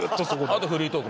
あとフリートーク？